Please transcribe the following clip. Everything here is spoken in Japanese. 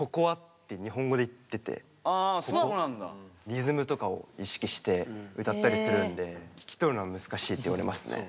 リズムとかを意識して歌ったりするんで聞き取るのは難しいって言われますね。